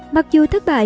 mặc dù thất bại